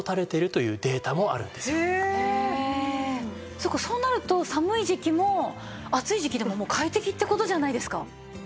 そっかそうなると寒い時期も暑い時期でももう快適って事じゃないですか。